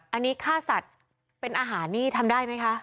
อันนี้ฆ่าสัตว์เป็นอาหารนี่ทำได้ไหมคะ